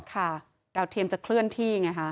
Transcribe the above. ดาวเทียมจะเคลื่อนที่ไงฮะ